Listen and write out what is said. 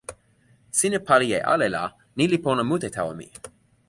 sina pali e ale la ni li pona mute tawa mi.